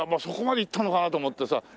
そこまでいったのかなと思ってさ。